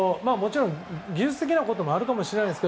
技術的なこともあるかもしれないです